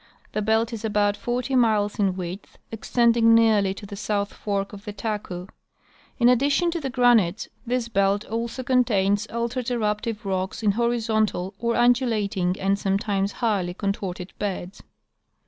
The belt is about forty miles in width, extending nearly to the South fork of the Taku. In addition to the granites, this belt also contains altered eruptive rocks in horizontal or undulating and some times highly contorted beds.